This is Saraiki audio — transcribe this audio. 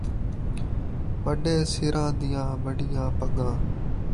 وݙے سراں دیاں وݙیاں پڳاں